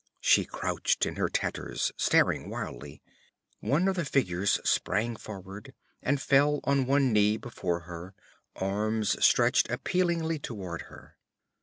She crouched in her tatters, staring wildly. One of the figures sprang forward and fell on one knee before her, arms stretched appealingly toward her.